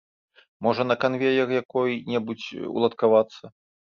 Можа, на канвеер якой-небудзь уладкавацца.